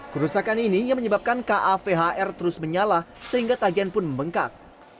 kerusakan ini yang menyebabkan kavhr terus menyala sehingga tagihan pun membengkak